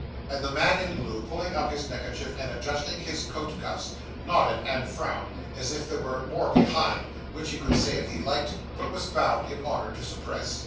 And the man in blue, pulling up his neckerchief, and adjusting his coat cuffs, nodded and frowned as if there were more behind, which he could say if he liked, but was bound in honour to suppress.